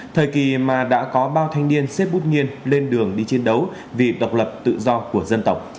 thời kỳ mà đã có bao thanh niên xếp bút nghiêng lên đường đi chiến đấu vì độc lập tự do của dân tộc